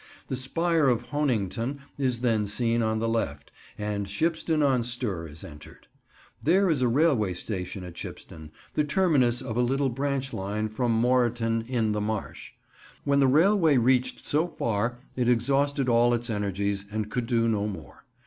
The spire of Honington is then seen on the left, and Shipston on Stour is entered. There is a railway station at Shipston, the terminus of a little branch line from Moreton in the Marsh. When the railway reached so far it exhausted all its energies and could do no more.